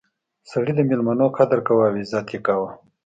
سړی د میلمنو قدر کاوه او عزت یې کاوه.